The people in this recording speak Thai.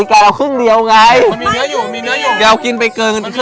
ทุกท่ากรวมลงเงินไว้๕๐๐บาทนะครับ